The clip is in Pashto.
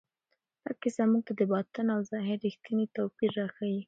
دا کیسه موږ ته د باطن او ظاهر رښتینی توپیر راښیي.